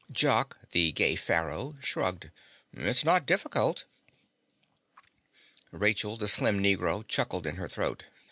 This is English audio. Jock, the gay pharaoh, shrugged. "It's not difficult." Rachel, the slim Negro, chuckled in her throat.